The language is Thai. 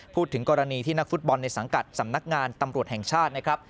พูดถึงกรณีที่นักฟุตบอลในสังกัดสำนักงานตำรวจแห่งชาตินะครับ